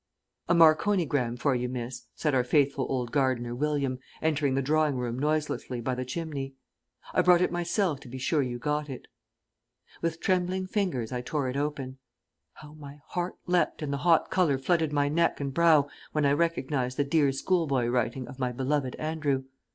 "A marconigram for you, miss," said our faithful old gardener, William, entering the drawing room noiselessly by the chimney. "I brought it myself to be sure you got it." With trembling fingers I tore it open. How my heart leapt and the hot colour flooded my neck and brow when I recognised the dear schoolboy writing of my beloved Andrew!